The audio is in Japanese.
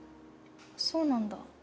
そうなんだ。